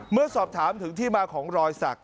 เมื่อสอบถามถึงที่มาของรอยสัก